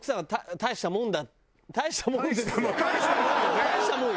大したもんよ。